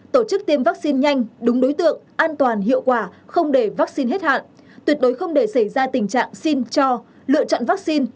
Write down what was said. tổ chức tiêm vaccine nhanh đúng đối tượng an toàn hiệu quả không để vaccine hết hạn tuyệt đối không để xảy ra tình trạng xin cho lựa chọn vaccine